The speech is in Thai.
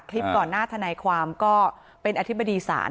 ก่อนหน้าทนายความก็เป็นอธิบดีศาล